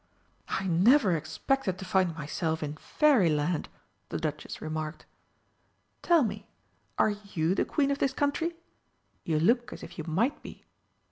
"I never expected to find myself in Fairyland," the Duchess remarked. "Tell me are you the Queen of this country? You look as if you might be."